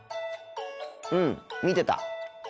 うん見てた。